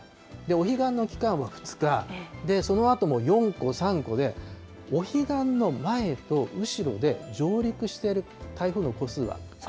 お彼岸の期間は２日、そのあとも４個、３個で、お彼岸の前と後ろで上陸している台風の個数は。